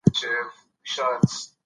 ستړیا او بې حالي د فشار اغېز ښيي.